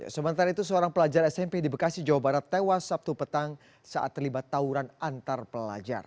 sementara itu seorang pelajar smp di bekasi jawa barat tewas sabtu petang saat terlibat tawuran antar pelajar